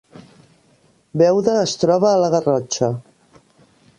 Beuda es troba a la Garrotxa